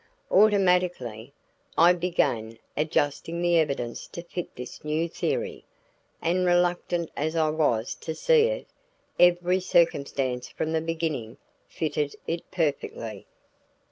Automatically, I began adjusting the evidence to fit this new theory, and reluctant as I was to see it, every circumstance from the beginning fitted it perfectly.